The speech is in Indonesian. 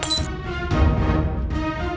itu kayaknya suara afif